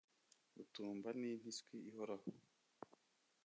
gutumba n’impiswi ihoraho